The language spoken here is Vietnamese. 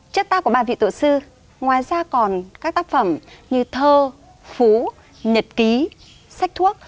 chất tác của ba vị tự sư ngoài ra còn các tác phẩm như thơ phú nhật ký sách thuốc